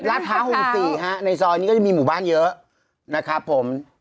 พร้าว๖๔ฮะในซอยนี้ก็จะมีหมู่บ้านเยอะนะครับผม